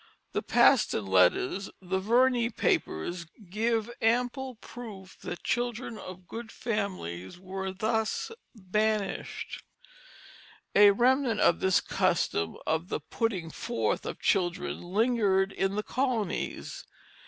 The Paston Letters, the Verney Papers, give ample proof that children of good families were thus banished. A remnant of this custom of the "putting forth" of children lingered in the colonies.